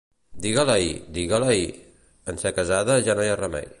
Diga-la-hi, diga-la-hi; en ser casada, ja no hi ha remei.